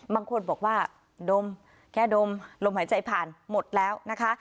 บางคนบอกว่าดมแค่ดมลมหายใจผ่านหมดแล้วนะคะ